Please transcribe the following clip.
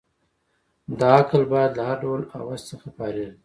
دا عقل باید له هر ډول هوس څخه فارغ وي.